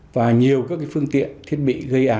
và nhiều các phương tiện thiết bị